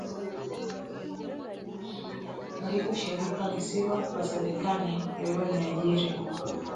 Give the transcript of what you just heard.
Lipo shirika lisilo la serikali lililoniajiri